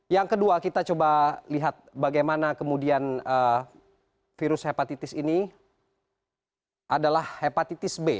yang kedua kita coba lihat bagaimana kemudian virus hepatitis ini adalah hepatitis b